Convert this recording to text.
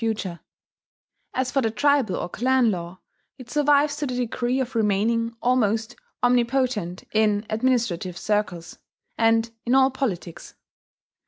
] As for the tribal or clan law, it survives to the degree of remaining almost omnipotent in administrative circles, and in all politics.